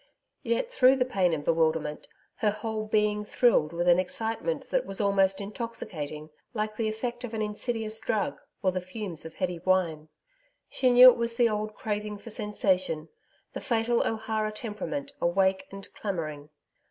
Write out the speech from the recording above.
Yet, through the pain and bewilderment, her whole being thrilled with an excitement that was almost intoxicating like the effect of an insidious drug, or the fumes of heady wine. She knew it was the old craving for sensation, the fatal O'Hara temperament awake and clamouring.